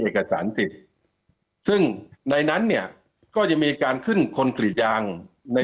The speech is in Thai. เอกสารสิทธิ์ซึ่งในนั้นเนี่ยก็จะมีการขึ้นคนกรีดยางใน